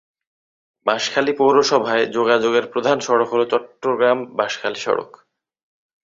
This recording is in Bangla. বাঁশখালী পৌরসভায় যোগাযোগের প্রধান সড়ক হল চট্টগ্রাম-বাঁশখালী সড়ক।